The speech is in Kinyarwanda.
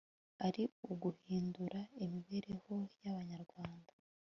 ari uguhindura imibereho y'abanyarwanda